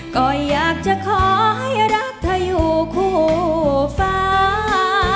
ก็อยากจะขอให้รักเธออยู่คู่ฟ้า